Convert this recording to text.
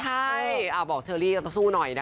ใช่บอกเซอรี่ต้องสู้หน่อย